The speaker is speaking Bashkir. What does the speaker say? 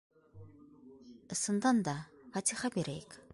Ысындан да, фатиха бирәйек!